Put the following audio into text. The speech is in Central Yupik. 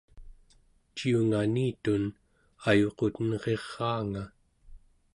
ciunganitun ayuqutenriraanga